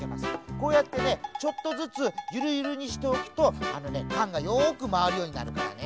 こうやってねちょっとずつゆるゆるにしておくとあのねかんがよくまわるようになるからね。